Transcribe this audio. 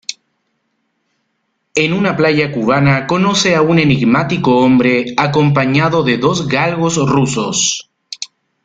En una playa cubana conoce a un enigmático hombre acompañado de dos galgos rusos.